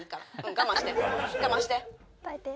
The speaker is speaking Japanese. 我慢して！